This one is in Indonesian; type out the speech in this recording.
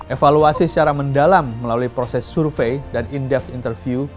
evaluasi secara mendalam melalui proses survei dan indef interview